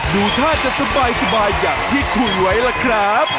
ดูท่าจะสบายอย่างที่คุณไว้ล่ะครับ